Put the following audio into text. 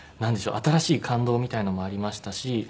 新しい感動みたいなのもありましたし。